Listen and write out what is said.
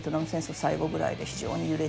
最後ぐらいで非常に揺れていて。